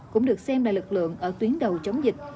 cũng được xem là lực lượng ở tuyến đầu chống dịch